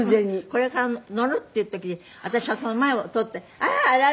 これから乗るっていう時に私はその前を通ってあら！